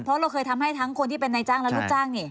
เพราะเราเคยทำให้ทั้งคนที่เป็นนายจ้างและลูกจ้างนี่